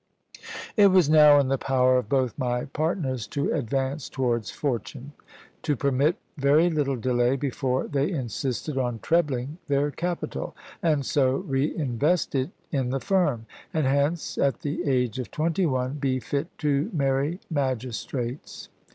It was now in the power of both my partners to advance towards fortune; to permit very little delay before they insisted on trebling their capital; and so reinvest it in the firm; and hence at the age of twenty one, be fit to marry magistrates.